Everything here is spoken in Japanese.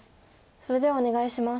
それではお願いします。